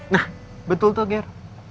nah betul tuh ger